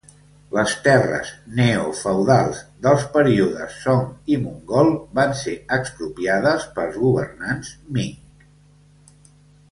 Les terres neo-feudals dels períodes Song i Mongol van ser expropiades pels governants Ming.